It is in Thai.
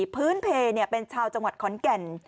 พื้นเพลเป็นชาวจังหวัดขอนแก่น